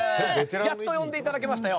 やっと呼んでいただけましたよ。